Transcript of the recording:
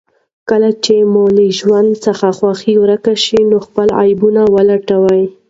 کله چې مو له ژوند څخه خوښي ورکه شي، نو خپل عيبونه ولټوئ.